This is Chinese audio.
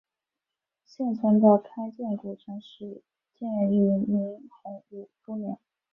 现存的开建古城始建于明洪武初年。